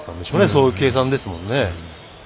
そういう計算ですもんね。